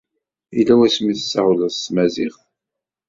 Yella wasmi ay tessawleḍ s tmaziɣt?